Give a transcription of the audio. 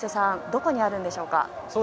どこにあるんでしょうか。